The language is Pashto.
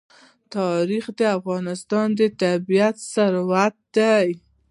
تاریخ د افغانستان طبعي ثروت دی.